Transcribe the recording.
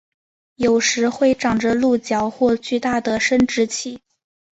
有时会长着鹿角或巨大的生殖器。